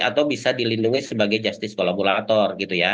atau bisa dilindungi sebagai justice kolaborator gitu ya